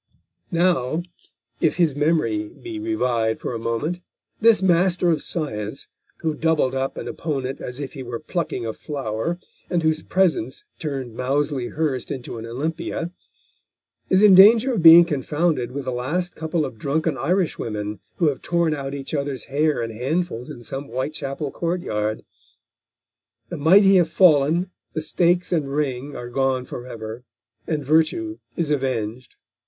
Now, if his memory be revived for a moment, this master of science, who doubled up an opponent as if he were plucking a flower, and whose presence turned Moulsey Hurst into an Olympia, is in danger of being confounded with the last couple of drunken Irishwomen who have torn out each other's hair in handfuls in some Whitechapel courtyard. The mighty have fallen, the stakes and ring are gone forever, and Virtue is avenged.